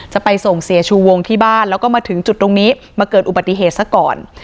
จะไปส่งเสียชูวงที่บ้านแล้วก็มาถึงจุดตรงนี้มาเกิดอุบัติเหตุซะก่อน